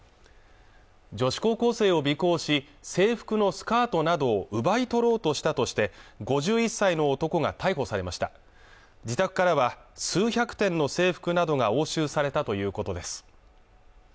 女子高校生を尾行し制服のスカートなどを奪い取ろうとしたとして５１歳の男が逮捕されました自宅からは数百点の制服などが押収されたということです